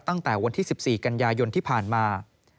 ตั้งแต่วันที่๑๔กันยายนที่ผ่านมา